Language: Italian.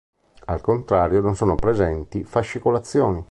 Al contrario non sono presenti fascicolazioni.